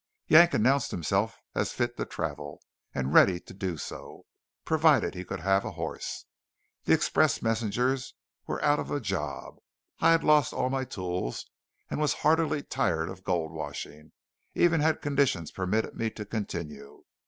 Yank announced himself as fit to travel, and ready to do so, provided he could have a horse; the express messengers were out of a job; I had lost all my tools, and was heartily tired of gold washing, even had conditions permitted me to continue.